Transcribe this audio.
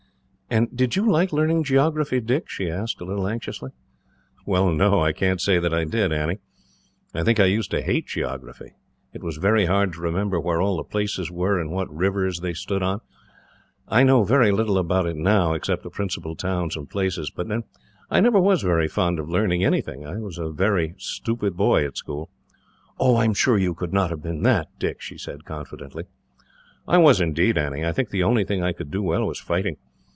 "And did you like learning geography, Dick?" she asked, a little anxiously. "Well no, I can't say that I did, Annie. I think I used to hate geography. It was very hard to remember where all the places were, and what rivers they stood on. I know very little about it now, except the principal towns and places. But then, I never was very fond of learning anything. I was a very stupid boy, at school." "Oh, I am sure you could not have been that, Dick," she said confidently. "I was indeed, Annie. I think the only thing I could do well was fighting.